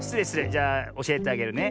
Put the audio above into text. じゃあおしえてあげるね。